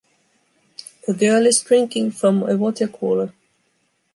A girl is drinking from a water cooler.